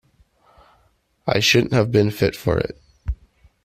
I shouldn't have been fit for it.